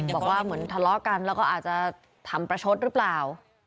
บอกว่าเหมือนทะเลาะกันแล้วก็อาจจะทำประชดหรือเปล่า